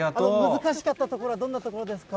難しかったところはどんなところですか？